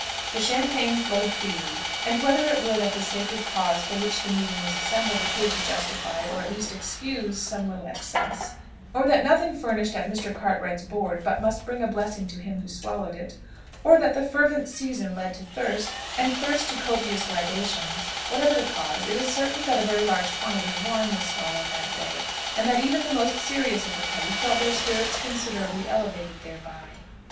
The champagne flowed freely; and whether it were that the sacred cause for which the meeting was assembled appeared to justify, or at least excuse, some little excess, or that nothing furnished at Mr. Cartwright's board but must bring a blessing to him who swallowed it, or that the fervent season led to thirst, and thirst to copious libations: whatever the cause, it is certain that a very large quantity of wine was swallowed that day, and that even the most serious of the party felt their spirits considerably elevated thereby.